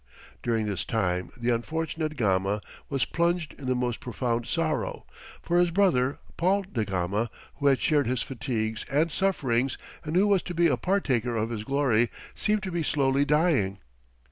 During this time the unfortunate Gama was plunged in the most profound sorrow, for his brother, Paul da Gama, who had shared his fatigues and sufferings, and who was to be a partaker of his glory, seemed to be slowly dying.